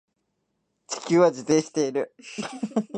地球は自転している